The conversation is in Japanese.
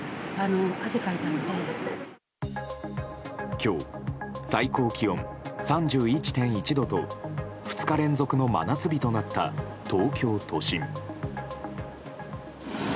今日、最高気温３１．１度と２日連続の真夏日となった東京都心。